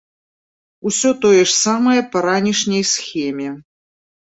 Усё тое ж самае па ранішняй схеме.